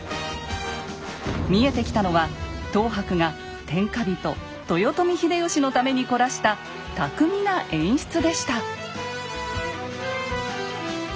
見えてきたのは等伯が天下人・豊臣秀吉のために凝らした巧みな演出でした。